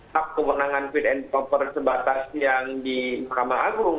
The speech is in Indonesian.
hak kewenangan fit and proper sebatas yang di mahkamah agung